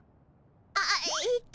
あっえっと